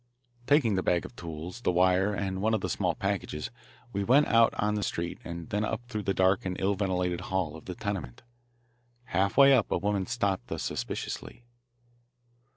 Taking the bag of tools, the wire, and one of the small packages, we went out on the street and then up through the dark and ill ventilated hall of the tenement. Half way up a woman stopped us suspiciously.